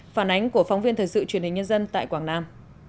phản ánh của phóng viên thời sự truyền hình nhân dân tại quảng nam